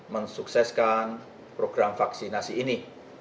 men sukseskan program vaksinasi ini